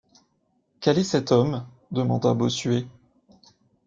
Quel est cet homme? demanda Bossuet.